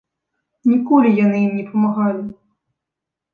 Ніколі яны ім не памагалі.